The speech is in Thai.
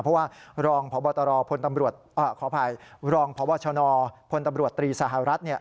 เพราะว่ารองพบวชนพลตำรวจตรีสหรัฐ